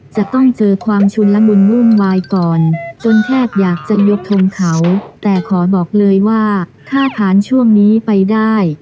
จะต้องเจอความชุนละมุนวุ่นวายก่อนจนแทบอยากจะยกทงเขาแต่ขอบอกเลยว่าถ้าผ่านช่วงนี้ไปได้